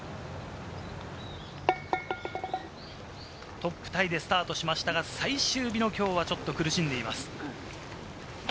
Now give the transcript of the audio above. トップタイでスタートしましたが、最終日のきょうは、ちょっと苦しんでいます。